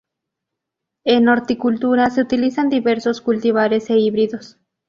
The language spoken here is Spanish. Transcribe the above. En horticultura se utilizan diversos cultivares e híbridos.